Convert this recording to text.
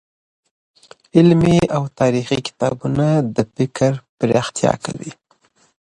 علمي او تاريخي کتابونه د فکر پراختيا کوي.